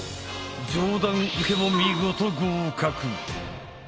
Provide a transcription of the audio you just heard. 上段受けも見事合格！